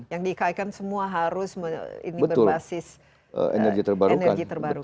yang di ikn semua harus berbasis energi terbarukan